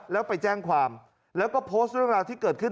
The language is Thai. แล้วไปแจ้งความแล้วก็โพสต์เรื่องราวที่เกิดขึ้น